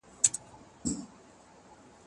که وخت وي، بازار ته ځم،